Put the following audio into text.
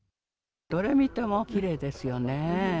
どれ見てもきれいですよね。